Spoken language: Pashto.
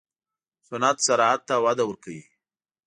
صنعت زراعت ته وده ورکوي